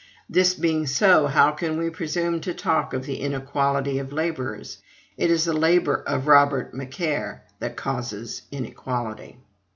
This being so, how can we presume to talk of the inequality of laborers? It is the LABOR of Robert Macaire that causes inequality.